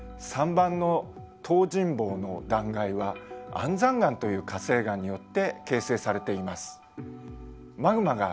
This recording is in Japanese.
３番の東尋坊の断崖は安山岩という火成岩によって形成されています。